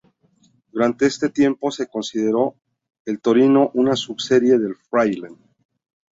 Durante este tiempo, se consideró el Torino una subserie del Fairlane.